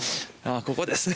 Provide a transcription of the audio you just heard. ここですね。